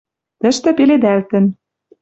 Тӹштӹ пеледалтӹн